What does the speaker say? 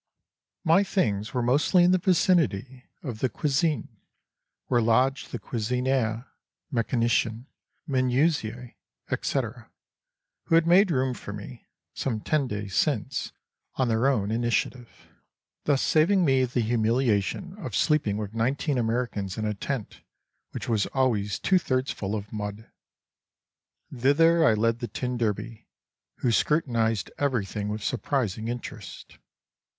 My things were mostly in the vicinity of the cuisine, where lodged the cuisinier, mécanicien, menuisier, etc., who had made room for me (some ten days since) on their own initiative, thus saving me the humiliation of sleeping with nineteen Americans in a tent which was always two thirds full of mud. Thither I led the tin derby, who scrutinised everything with surprising interest.